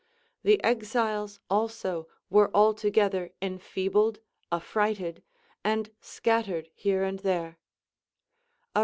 The exiles also were altogether enfeebled, affrighted, and scattered here and there.